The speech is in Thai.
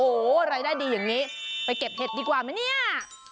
โอ้โหรายได้ดีอย่างนี้ไปเก็บเห็ดดีกว่าไหมเนี่ย